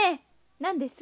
何です？